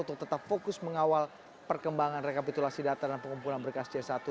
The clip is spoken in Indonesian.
untuk tetap fokus mengawal perkembangan rekapitulasi data dan pengumpulan berkas c satu